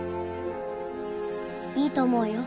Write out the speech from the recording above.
いいと思うよ。